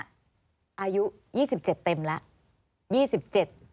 อายุ๒๗เต็มแล้ว